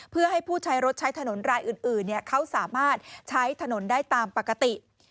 เพื่อให้ผู้ใช้รถใช้ถนนรายอื่นเขาสามารถใช้ถนนได้ตามปกติ